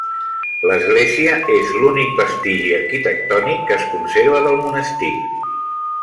L'església és l'únic vestigi arquitectònic que es conserva del monestir.